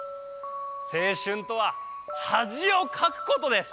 青春とははじをかくことです。